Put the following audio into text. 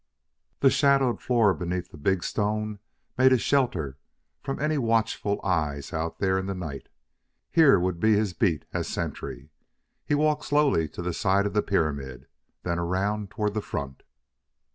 The shadowed floor beneath the big stone made a shelter from any watchful eyes out there in the night; here would be his beat as sentry. He walked slowly to the side of the pyramid, then around toward the front.